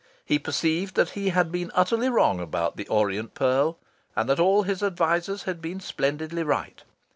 He perceived that he had been utterly wrong about "The Orient Pearl." And that all his advisers had been splendidly right.